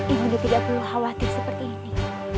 ibu nda tidak perlu khawatir seperti ini